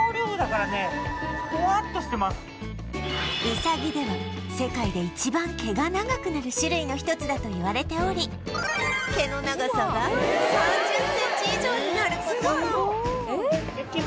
ウサギでは世界で一番毛が長くなる種類の一つだといわれており毛の長さが３０センチ以上になる事も！